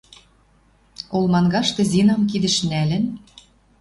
Олмангашты, Зинам кидӹш нӓлӹн